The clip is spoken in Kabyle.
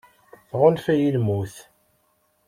Tɣunfa-yi lmut.